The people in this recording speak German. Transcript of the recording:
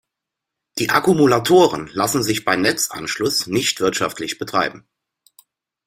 Die Akkumulatoren lassen sich bei Netzanschluss nicht wirtschaftlich betreiben.